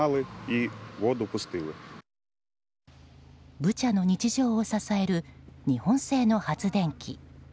ブチャの日常を支える日本製の発電機。